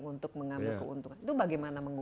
untuk mengambil keuntungan itu bagaimana menggunakan